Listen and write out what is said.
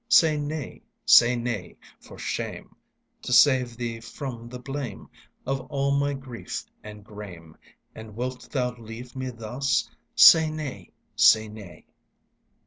Say nay, say nay, for shame! To save thee from the blame Of all my grief and grame. And wilt thou leave me thus? Say nay! say nay!